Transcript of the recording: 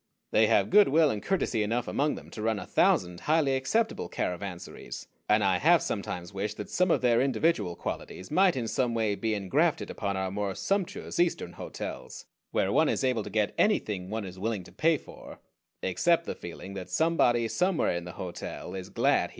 They have good will and courtesy enough among them to run a thousand highly acceptable caravansaries, and I have sometimes wished that some of their individual qualities might in some way be engrafted upon our more sumptuous Eastern hotels, where one is able to get anything one is willing to pay for, except the feeling that somebody somewhere in the hotel is glad he came.